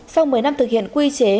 sau một mươi năm thực hiện quy chế